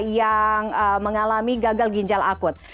yang mengalami gagal ginjal akut